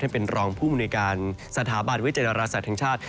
ท่านเป็นรองผู้มูลในการสถาบันวิทยาลาศาสตร์ทางชาติ